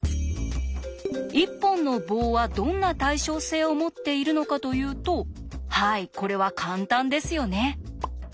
一本の棒はどんな対称性を持っているのかというとはいこれは簡単ですよね。